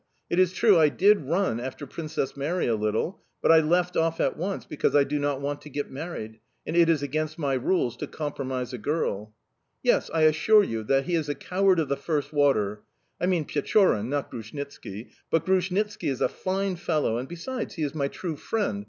It is true I did run after Princess Mary a little, but I left off at once because I do not want to get married; and it is against my rules to compromise a girl." "Yes, I assure you that he is a coward of the first water, I mean Pechorin, not Grushnitski but Grushnitski is a fine fellow, and, besides, he is my true friend!"